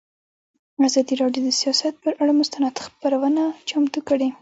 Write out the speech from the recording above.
ازادي راډیو د سیاست پر اړه مستند خپرونه چمتو کړې.